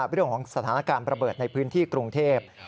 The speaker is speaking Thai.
เรื่องของสถานการณ์ระเบิดในพื้นที่กรุงเทพ